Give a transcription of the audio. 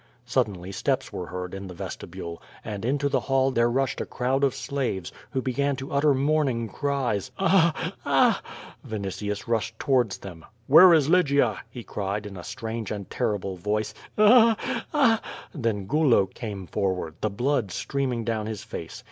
Suddenly steps were heard in the vestibule, and into the hall there rushed a crowd of slaves, who began to utter mourn ing cries. "Aaaa!— aa!" Vinitius rushed towards them. "Where is Lygia?" he cried, in a strange and terrible voice. "Aaaa!— aa!" Then Gulo came forward, the blood streaming down his face.